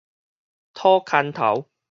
討牽頭